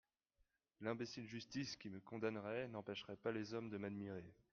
L’imbécile justice, qui me condamnerait, n’empêcherait pas les hommes de m’admirer.